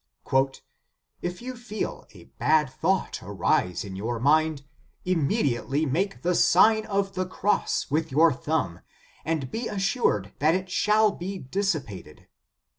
65. 13* 150 The Sign of the Cross thought arise in your mind, immediately make the Sign of the Cross with your thumb, and be assured that it shall be dissipated."